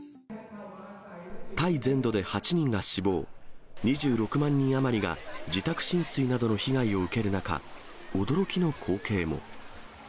タイ全土で８人が死亡、２６万人余りが自宅浸水などの被害を受ける中、驚きの光景も。